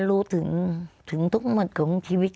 รู้ถึงทุกหมวดของชีวิต